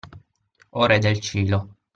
O Re del Cielo.